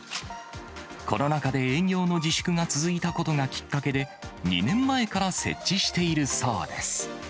コロナ禍で営業の自粛が続いたことがきっかけで、２年前から設置しているそうです。